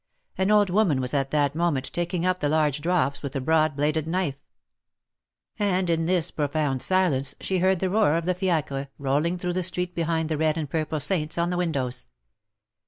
An old woman was at that moment taking up the large drops with a broad bladed knife. And in this profound silence she heard the roar of the fiacres, rolling through the street behind the red and purple saints on the windows.